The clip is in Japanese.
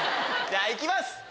じゃあ行きます！